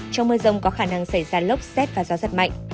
trong mưa rông có khả năng xảy ra lốc xét và gió giật mạnh